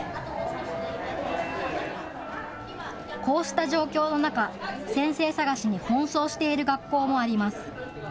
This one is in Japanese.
こうした状況の中、先生探しに奔走している学校もあります。